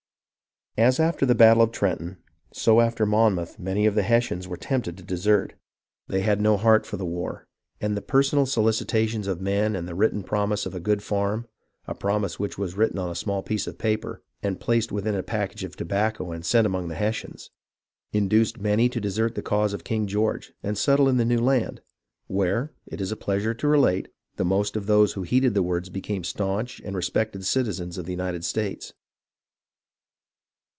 As after the battle of Trenton, so after Monmouth many of the Hessians were tempted to desert. They had 'W rrr MONMOUTH AND NE\YPORT 245 no heart for the war, and the personal solicitations of men and the written promise of a good farm — a promise which was written on a small piece of paper, and placed' within a package of tobacco and sent among the Hessians — induced many to desert the cause of King George and settle in the new land, where, it is a pleasure to relate, the most of those who heeded the words became stanch and respected citizens of the United States.